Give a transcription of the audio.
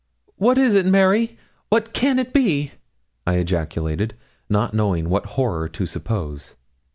'What is it, Mary? what can it be?' I ejaculated, not knowing what horror to suppose.